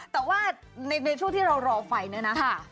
แต่ว่าในช่วงที่เรารอไฟเนี่ยนะ